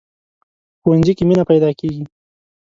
ښوونځی کې مینه پيداکېږي